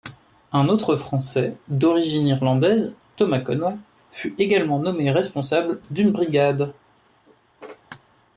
Un autre Français d'origine irlandaise, Thomas Conway, fut également nommé responsable d'une brigade.